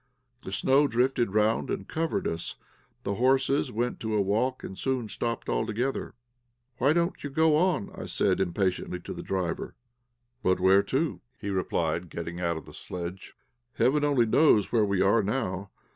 The snow drifted round and covered us. The horses went at a walk, and soon stopped altogether. "Why don't you go on?" I said, impatiently, to the driver. "But where to?" he replied, getting out of the sledge. "Heaven only knows where we are now.